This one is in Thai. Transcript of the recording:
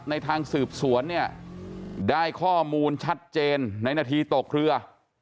ในทางสืบสวนเนี่ยได้ข้อมูลชัดเจนในนาทีตกเรือ